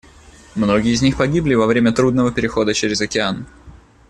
Многие из них погибли во время трудного перехода через океан.